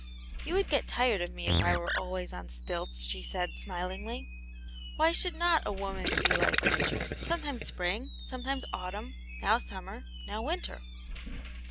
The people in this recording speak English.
" You would get tired of me if I were always on stilts," she said, smilingly. " Why should not a woman be like nature, sometimes spring, sometimes autumn ; now summer, now winter.